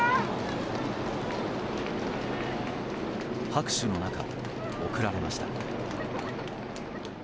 拍手の中、送られました。